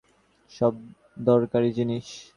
সব দরকারি জিনিস।